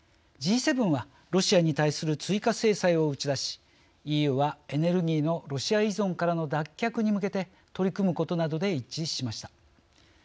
Ｇ７はロシアに対する追加制裁を打ち出しＥＵはエネルギーのロシア依存からの脱却に向けて取り組むことなどで一致しました。